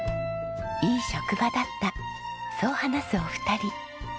いい職場だったそう話すお二人。